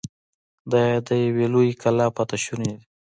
دا د يوې لويې کلا پاتې شونې وې.